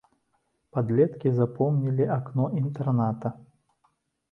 Падлеткі запомнілі акно інтэрната.